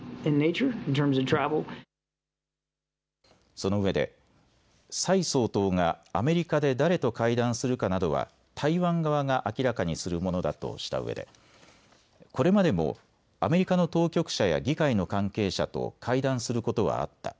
そのうえで蔡総統がアメリカで誰と会談するかなどは台湾側が明らかにするものだとしたうえでこれまでもアメリカの当局者や議会の関係者と会談することはあった。